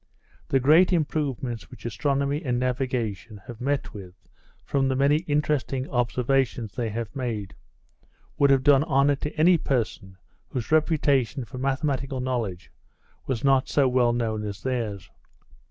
The great improvements which astronomy and navigation have met with from the many interesting observations they have made, would have done honour to any person whose reputation for mathematical knowledge was not so well known as theirs.